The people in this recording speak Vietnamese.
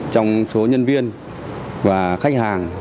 trong số nhân viên và khách hàng